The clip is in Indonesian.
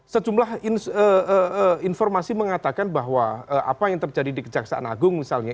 sejumlah informasi mengatakan bahwa apa yang terjadi di kejaksaan agung misalnya